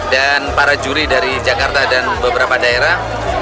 para juri dari jakarta dan beberapa daerah